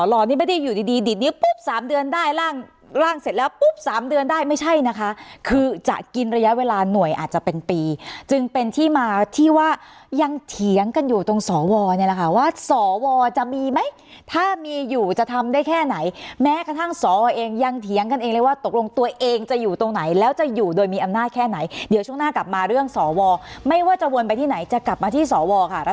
ระยะเวลาหน่วยอาจจะเป็นปีจึงเป็นที่มาที่ว่ายังเถียงกันอยู่ตรงสว๒๗๒เนี่ยแหละค่ะว่าสว๒๗๒จะมีไหมถ้ามีอยู่จะทำได้แค่ไหนแม้กระทั่งสว๒๗๒เองยังเถียงกันเองเลยว่าตกลงตัวเองจะอยู่ตรงไหนแล้วจะอยู่โดยมีอำนาจแค่ไหนเดี๋ยวช่วงหน้ากลับมาเรื่องสว๒๗๒ไม่ว่าจะวนไปที่ไหนจะกลับมาที่สว๒๗๒ค่ะ